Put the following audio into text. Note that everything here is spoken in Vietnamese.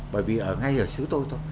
bởi vì ở ngay ở xứ tôi thôi